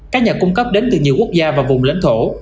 các nhà cung cấp đến từ nhiều quốc gia và vùng lãnh thổ